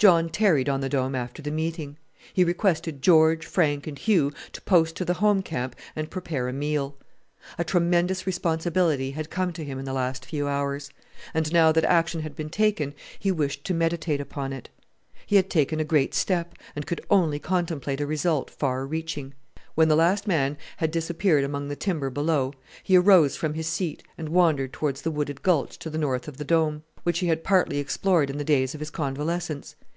John tarried on the Dome after the meeting. He requested George, Frank, and Hugh to post to the home camp and prepare a meal. A tremendous responsibility had come to him in the last few hours; and now that action had been taken he wished to meditate upon it. He had taken a great step, and could only contemplate a result far reaching. When the last man had disappeared among the timber below, he arose from his seat and wandered towards the wooded gulch to the north of the Dome, which he had partly explored in the days of his convalescence.